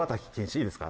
いいですか？